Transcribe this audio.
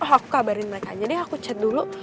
aku kabarin mereka aja deh aku chat dulu